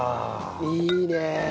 いいね。